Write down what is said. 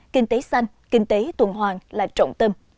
kinh tế xanh kinh tế tuần hoàng là trọng tâm